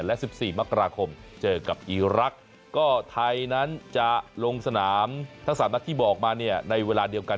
และ๑๔มกราคมเจอกับอีรักษ์ก็ไทยนั้นจะลงสนามทั้งสามนัดที่บอกมาเนี่ยในเวลาเดียวกัน